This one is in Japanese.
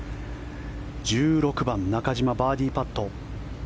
１６番、中島バーディーパット。